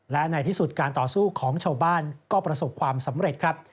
และในที่สุดการต่อสู้ของชาวบ้านก็ประสบความสำเร็จครับ